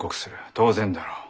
当然だろう？